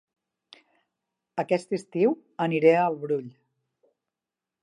Aquest estiu aniré a El Brull